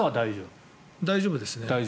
大丈夫ですね。